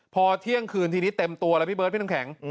พอเที่ยงคืนทีนี้เต็มตัวแล้วพี่เบิร์ดพี่น้ำแข็ง